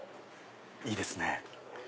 いいですね！